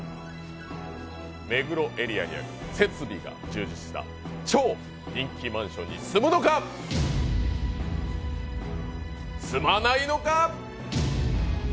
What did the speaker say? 目黒エリアにある設備が充実した超人気マンションに住むのか、住まないのか？